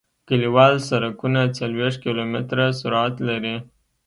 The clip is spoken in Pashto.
کلیوال سرکونه څلویښت کیلومتره سرعت لري